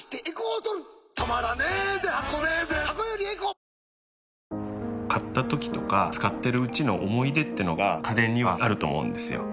丸山さん、すみませんね、買ったときとか使ってるうちの思い出ってのが家電にはあると思うんですよ。